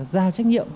giao trách nhiệm